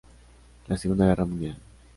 La Segunda Guerra Mundial.